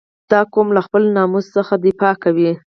• دا قوم له خپل ناموس څخه دفاع کوي.